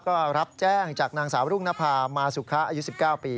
ก็รับแจ้งจากนางสาวรุ่งนภามาสุขะอายุ๑๙ปี